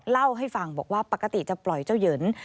เล่าให้ฟังบอกว่าปกติจะปล่อยเจ้าเหยิน